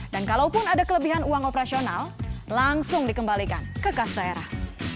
dan kalaupun ada kelebihan uang operasional langsung dikembalikan ke kas daerah